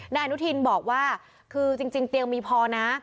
นายอนุทินบอกว่าคือจริงเตียงมีพอนะ